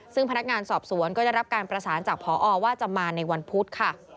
ซึ่งพนักงานสอบสวนก็จะรับการประสานจากพอว่าจะมาในวันพุธค่ะ